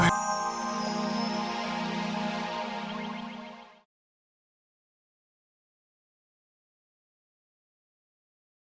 cucu mah bisa aja mendidik orang lain